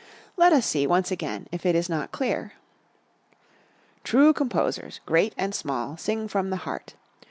Let us see, once again, if it is not clear: True composers, great and small, sing from the heart.